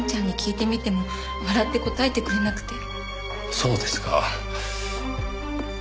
そうですか。